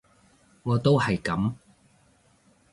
我都係噉